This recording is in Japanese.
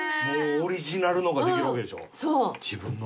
オリジナルのができるわけでしょ自分の。